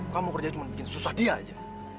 kamu kerja cuma bikin susah dia aja